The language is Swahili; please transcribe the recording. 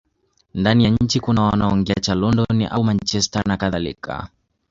Ndani ya nchi kuna wanaoongea cha London au Manchester nakadhalika